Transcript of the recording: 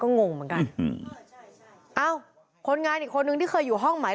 งงเหมือนกันอืมเอ้าคนงานอีกคนนึงที่เคยอยู่ห้องไหม